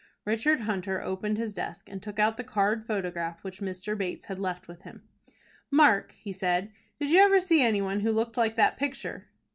Richard Hunter opened his desk, and took out the card photograph which Mr. Bates had left with him. "Mark," he said, "did you ever see any one who looked like that picture?"